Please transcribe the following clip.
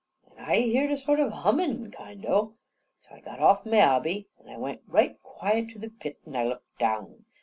An' I heerd a sort of a hummin', kind o'. So I got off my hobby, an' I went right quiet to the pit, an' I looked down.